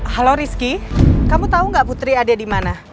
halo rizky kamu tau gak putri ada dimana